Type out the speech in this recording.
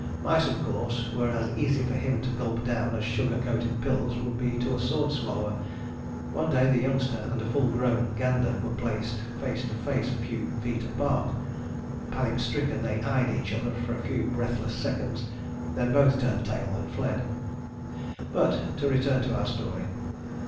Mice, of course, were as easy for him to gulp down as sugar coated pills would be to a sword swallower. One day the youngster and a full grown gander were placed face to face a few feet apart. Panic stricken, they eyed each other for a few breathless seconds, then both turned tail and fled. But to return to our story.